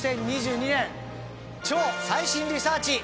２０２２年超最新リサーチ